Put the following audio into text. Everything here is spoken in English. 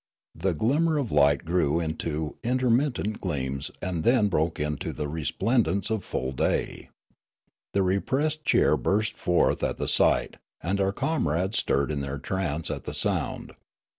The glim mer of light grew into intermittent gleams and then broke into the resplendence of full day. The repressed cheer burst forth at the sight, and our comrades stirred in their trance at the sound.